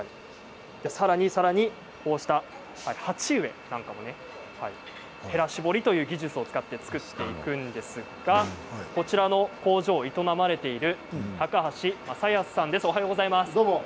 さらに鉢植えなんかもへら絞りという技術を使って作っていくんですがこちらの工場を営まれている高橋雅泰さんです。